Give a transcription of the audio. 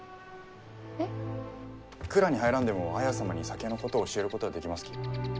えっ？蔵に入らんでも綾様に酒のことを教えることはできますき。